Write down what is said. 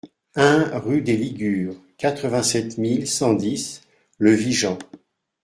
un rue des Ligures, quatre-vingt-sept mille cent dix Le Vigen